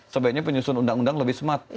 sebaiknya penyusun undang undang lebih smat